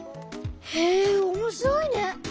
へえおもしろいね。